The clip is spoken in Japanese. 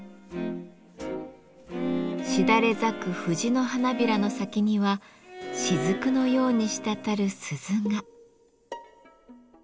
しだれ咲く藤の花びらの先にはしずくのように滴る鈴が。